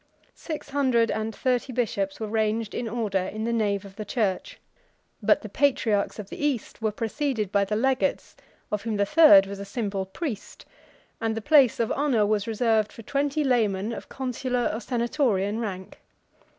Six hundred and thirty bishops were ranged in order in the nave of the church; but the patriarchs of the East were preceded by the legates, of whom the third was a simple priest; and the place of honor was reserved for twenty laymen of consular or senatorian rank.